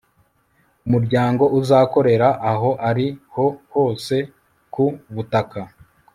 Umuryango uzakorera aho ari ho hose ku butaka